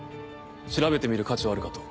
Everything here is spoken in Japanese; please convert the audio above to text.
調べてみる価値はあるかと。